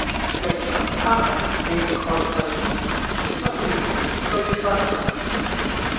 力拔山兮氣蓋世，時不利兮騅不逝